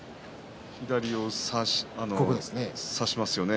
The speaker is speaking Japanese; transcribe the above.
左を差しますよね。